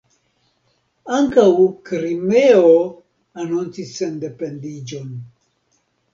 Ankaŭ Krimeo anoncis sendependiĝon.